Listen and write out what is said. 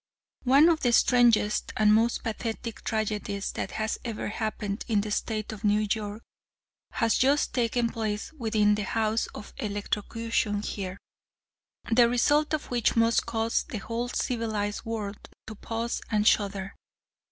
One of the strangest and most pathetic tragedies that has ever happened in the State of New York has just taken place within the house of electrocution here, the result of which must cause the whole civilized world to pause and shudder.